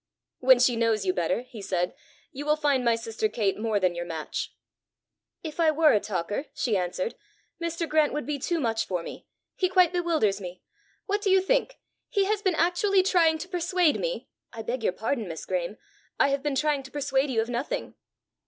"When she knows you better," he said, "you will find my sister Kate more than your match." "If I were a talker," she answered, "Mr. Grant would be too much for me: he quite bewilders me! What do you think! he has been actually trying to persuade me " "I beg your pardon, Miss Graeme; I have been trying to persuade you of nothing."